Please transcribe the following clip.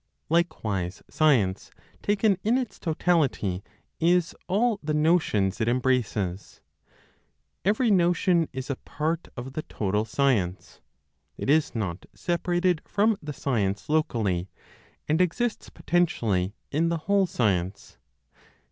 Likewise science, taken in its totality, is all the notions it embraces; every notion is a part of the total science; it is not separated from the science locally, and exists potentially in the whole science.